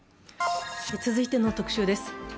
続いての特集です。